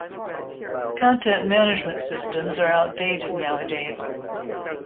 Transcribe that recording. Content Management Systems are outdated now-a-days.